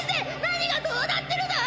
何がどうなってるだ？